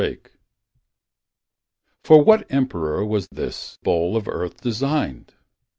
b3297635 For what emperor Was this bowl of Earth designed?